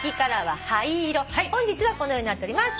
本日はこのようになっております。